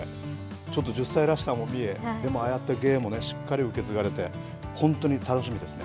ちょっと１０歳らしさも見えでも、ああやって芸もしっかり受け継がれて本当に楽しみですね